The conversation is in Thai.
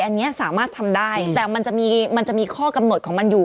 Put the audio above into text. อันนี้สามารถทำได้แต่มันจะมีมันจะมีข้อกำหนดของมันอยู่